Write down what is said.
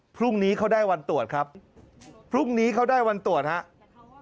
พรุ่งนี้เขาได้วันตรวจครับพรุ่งนี้เขาได้วันตรวจครับ